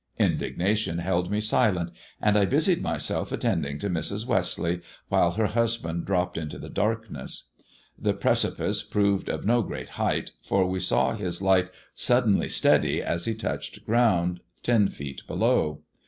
Indignation held me silent, and I busied myself attend ing to Mrs. Westleigh, while her husband dropped into the darkness. The precipice proved of no great height, for we saw his light suddenly steady as he touched ground ten feet below.